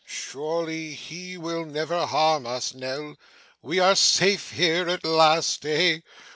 Surely he will never harm us, Nell. We are safe here, at last, eh?